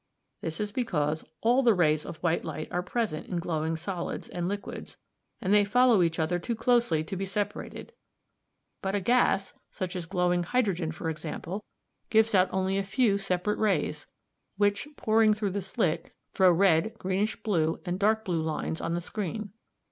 This is because all the rays of white light are present in glowing solids and liquids, and they follow each other too closely to be separated. But a gas, such as glowing hydrogen for example, gives out only a few separate rays, which, pouring through the slit, throw red, greenish blue, and dark blue lines on the screen.